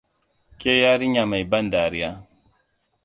Ke yarinya mai ban dariya.